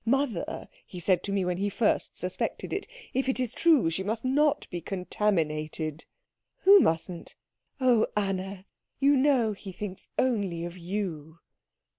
'Mother,' he said to me when first he suspected it, 'if it is true, she must not be contaminated.'" "Who mustn't?" "Oh, Anna, you know he thinks only of you!"